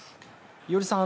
伊従さん